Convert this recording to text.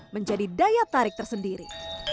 menjadi daya tarik tersendiri